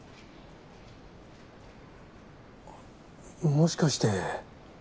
もしかして。